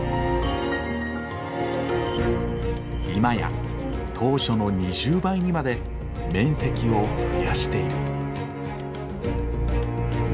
今や当初の２０倍にまで面積を増やしている。